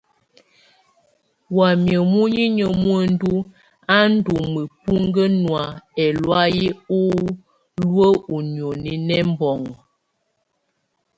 Wamɛ̀á munyinyǝ muǝndu á ndù mǝpuŋkǝ nɔ̀á ɛlɔ̀áyɛ u luǝ́ ú nioni nɛ bunɔŋɔ.